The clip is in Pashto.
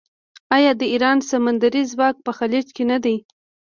آیا د ایران سمندري ځواک په خلیج کې نه دی؟